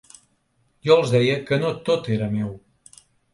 Jo els deia que no tot era meu.